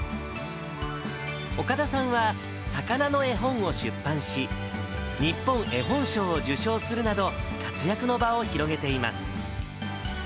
岡田さんは、魚の絵本を出版し、日本絵本賞を受賞するなど、活躍の場を広げています。